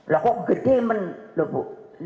lah kok gede men loh bu